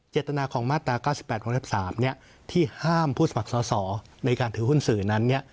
เจตนาของมาตรา๙๘วงเล็บ๓ที่ห้ามผู้สมัครสอสอในการถือหุ้นสื่อนั้น